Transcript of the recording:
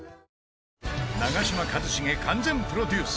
長嶋一茂完全プロデュース！